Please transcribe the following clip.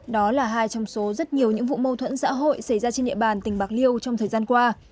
đó là hai trong số rất nhiều những vụ mâu thuẫn xã hội xảy ra trên địa bàn tỉnh bạc liêu trong thời gian qua